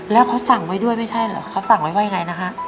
แล้วเขาสั่งไว้ด้วยไม่ใช่เหรอเขาสั่งไว้ว่ายังไงนะฮะ